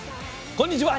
こんにちは。